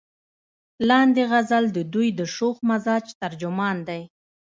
لاندينے غزل د دوي د شوخ مزاج ترجمان دے ۔